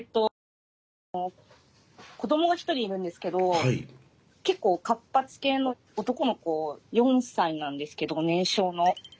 私あの子どもが１人いるんですけど結構活発系の男の子４歳なんですけど年少の。